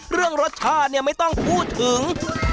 เรื่องรสชาติเนี่ยไม่ต้องพูดถึง